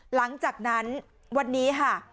หลังจากนั้นวันนี้ค่ะ